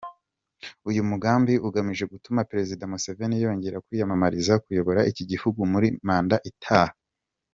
Uyu mugambi ugamije gutuma Perezida Museveni yongera kwiyamamariza kuyobora iki gihugu muri manda itaha.